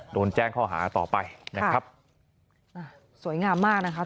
โดนแจ้งข้อหาต่อไปนะครับอ่าสวยงามมากนะครับ